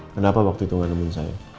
kenapa waktu itu gak nemuin saya